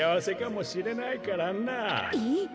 えっ。